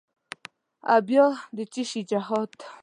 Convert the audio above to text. او بیا د چیشي جهاد؟